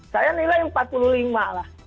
saya nilai empat puluh lima lah